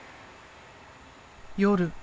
夜。